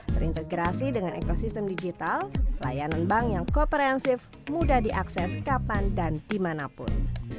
terintegrasi dengan ekosistem digital layanan bank yang komprehensif mudah diakses kapan dan dimanapun